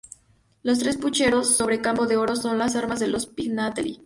Los tres pucheros sobre campo de oro son las armas de los Pignatelli.